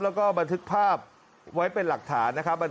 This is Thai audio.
แล้วก็บันทึกภาพไว้เป็นหลักฐานนะครับ